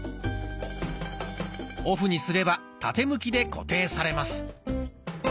オフにすれば縦向きで固定されます。